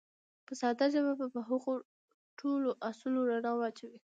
په ساده ژبه به په هغو ټولو اصولو رڼا واچوو.